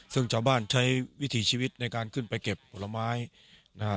ซึ่งชาวบ้านใช้วิถีชีวิตในการขึ้นไปเก็บผลไม้นะฮะ